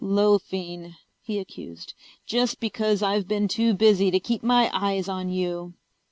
"Loafing!" he accused. "Just because I've been too busy to keep my eyes on you!"